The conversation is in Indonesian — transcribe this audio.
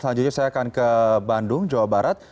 selanjutnya saya akan ke bandung jawa barat